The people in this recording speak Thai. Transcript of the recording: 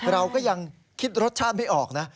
เราก็ยังคิดรสชาติไม่ออกนะ